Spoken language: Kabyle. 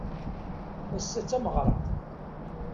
Ass-a d tameɣra.